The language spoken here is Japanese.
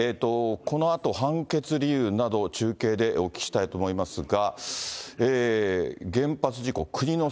このあと判決理由など、中継でお聞きしたいと思いますが。